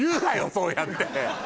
そうやって！